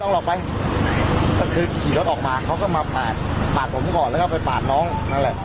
ออกไปก็คือขี่รถออกมาเขาก็มาปาดปาดผมก่อนแล้วก็ไปปาดน้องนั่นแหละ